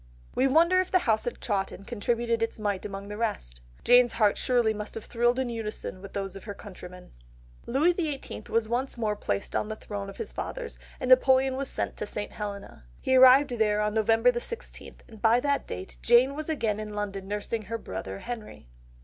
We wonder if the household at Chawton contributed its mite among the rest? Jane's heart surely must have thrilled in unison with those of her countrymen! Louis XVIII. was once more placed on the throne of his fathers, and Napoleon was sent to St. Helena. He arrived there on November the sixteenth, and by that date Jane was again in London nursing her brother Henry.